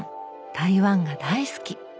台湾が大好き。